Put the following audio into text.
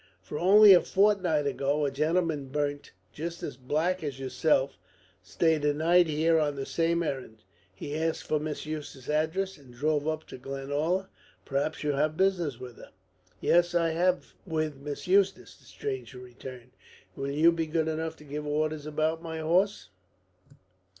For only a fortnight ago a gentleman burnt just as black as yourself stayed a night here on the same errand. He asked for Miss Eustace's address and drove up to Glenalla. Perhaps you have business with her?" "Yes, I have business with Miss Eustace," the stranger returned. "Will you be good enough to give orders about my horse?"